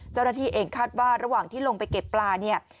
เจ้าหน้าที่เองคาดว่าระหว่างที่ลงไปเก็บปลาเนี่ย